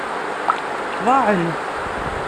Ḍaɛen.